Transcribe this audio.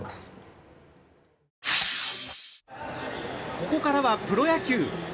ここからはプロ野球。